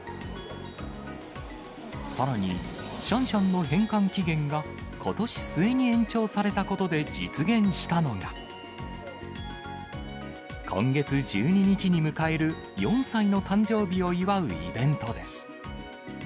さらに、シャンシャンの返還期限がことし末に延長されたことで実現したのが、今月１２日に迎える４歳の誕生日を祝うイベントです。